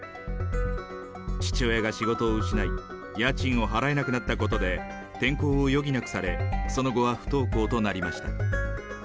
父親が仕事を失い、家賃を払えなくなったことで、転校を余儀なくされ、その後は不登校となりました。